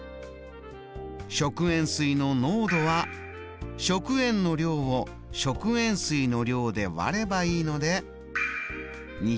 食塩水の濃度は食塩の量を食塩水の量で割ればいいので＝